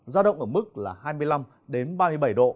giao động ở mức là hai mươi năm đến ba mươi bảy độ